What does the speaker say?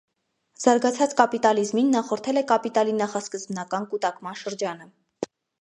Զարգացած կապիտալիզմին նախորդել է կապիտալի նախասկզբնական կուտակման շրջանը։